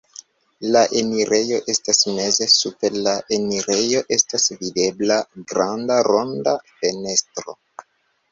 La enirejo estas meze, super la enirejo estas videbla granda ronda fenestro.